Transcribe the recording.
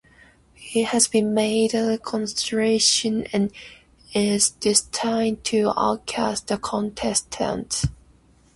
It has been made a constellation and is destined to outlast the contestants.